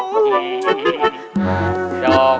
pergi kien santang